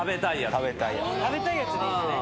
食べたいやつでいいんすね。